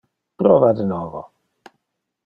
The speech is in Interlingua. Prova de novo.